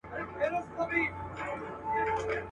وچ ډنګر وو له کلونو ژړ زبېښلی.